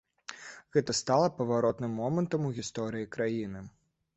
Гэта стала паваротным момантам у гісторыі краіны.